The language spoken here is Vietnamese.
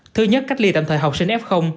thứ nhất cách ly tạm thời học sinh f